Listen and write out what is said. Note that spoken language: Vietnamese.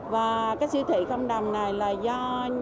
và cái siêu thị không đồng này là do